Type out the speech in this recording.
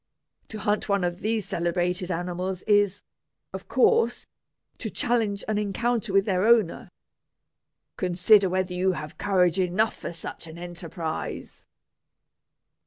To hunt one of these celebrated animals is, of course, to challenge an encounter with their owner. Consider whether you have courage enough for such an enterprise."